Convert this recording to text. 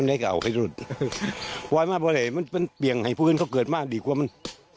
เมาะจากพ่อจากแม่พ่อก็แม่เลยแต่พ่อแม่ก็ร้อยนี้ก่อน